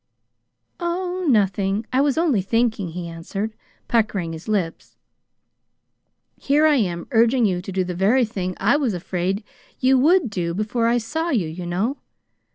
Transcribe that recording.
"Oh, nothing. I was only thinking," he answered, puckering his lips. "Here I am urging you to do the very thing I was afraid you WOULD do before I saw you, you know.